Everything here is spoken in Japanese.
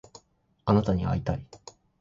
あなたに会いたい